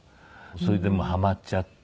それでもうハマっちゃって。